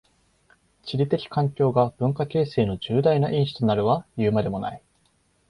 地理的環境が文化形成の重大な因子となるはいうまでもない。